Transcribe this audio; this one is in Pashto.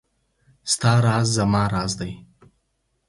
ستا راز زما راز دی .